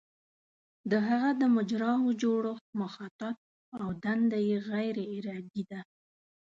د هغه د مجراوو جوړښت مخطط او دنده یې غیر ارادي ده.